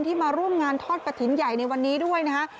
มาร่วมงานทอดกระถิ่นใหญ่ในวันนี้ด้วยนะฮะ